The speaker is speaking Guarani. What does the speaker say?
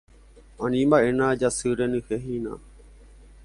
Animba'éna jasy renyhẽ hína.